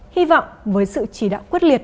hy vọng với sự chỉ đạo quyết liệt